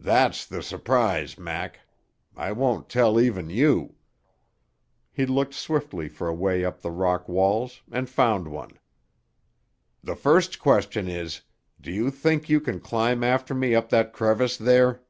"That's the surprise, Mac; I won't tell even you." He looked swiftly for a way up the rock walls and found one. "The first question is: Do you think you can climb after me up that crevice there?"